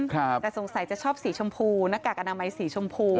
แต่สงสัยจะชอบสีชมพูหน้ากากอนามัยสีชมพู